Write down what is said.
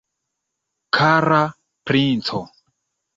Kara princo!